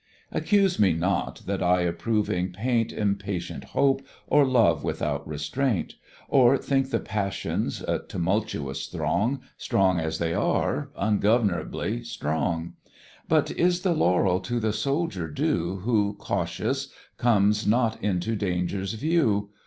Accuse me not that I approving paint Impatient Hope or Love without restraint; Or think the Passions, a tumultuous throng, Strong as they are, ungovernably strong: But is the laurel to the soldier due, Who, cautious, comes not into danger's view?